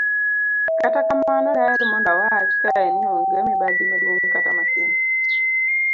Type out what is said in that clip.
kata kamano, daher mondo awach kae ni onge mibadhi maduong' kata matin